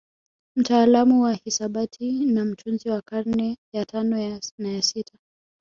Mtaalamu wa hisabati na mtunzi wa karne ya tano na ya sita